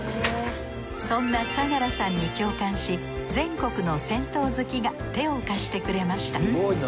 そんな相良さんに共感し全国の銭湯好きが手を貸してくれました。